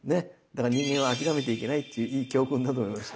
だから人間は諦めてはいけないっていういい教訓だと思います。